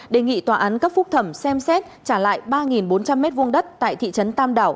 đề nghị tòa án cấp phúc thẩm xem xét trả lại ba bốn trăm linh m hai đất tại thị trấn tam đảo